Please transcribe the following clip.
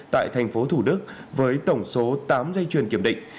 tại tp thủ đức với tổng số tám dây chuyền kiểm định